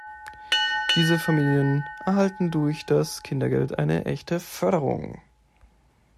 Diese Familien erhalten durch das Kindergeld eine echte Förderung.